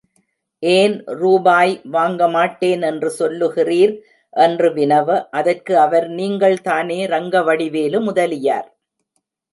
ஏன் ரூபாய் வாங்கமாட்டேன் என்று சொல்லுகிறீர் என்று வினவ, அதற்கு அவர் நீங்கள்தானே ரங்கவடிவேலு முதலியார்.